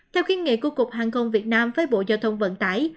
theo khiến nghị của cục hàng không việt nam với bộ giao thông vận tải